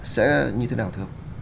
sẽ như thế nào thưa ông